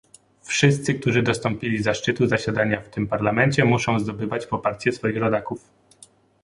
Wszyscy, którzy dostąpili zaszczytu zasiadania w tym Parlamencie, muszą zdobywać poparcie swoich rodaków